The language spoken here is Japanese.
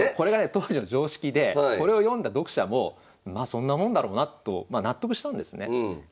当時の常識でこれを読んだ読者もまあそんなもんだろうなと納得したんですね。